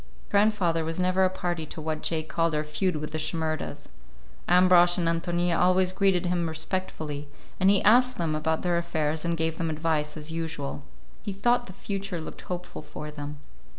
Grandfather was never a party to what Jake called our feud with the Shimerdas. Ambrosch and Ántonia always greeted him respectfully, and he asked them about their affairs and gave them advice as usual. He thought the future looked hopeful for them.